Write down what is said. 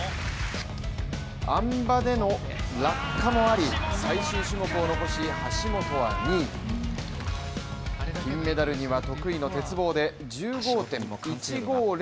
鞍馬での落下があり、最終種目を残し橋本は２位金メダルには得意の鉄棒で１５．１５０